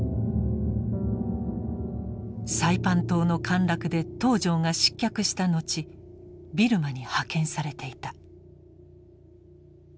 サイパン島の陥落で東條が失脚した後ビルマに派遣されていた。